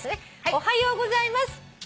「おはようございます」